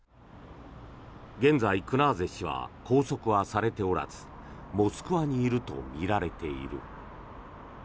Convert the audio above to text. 現在、クナーゼ氏は拘束はされておらずモスクワにいるとみられている。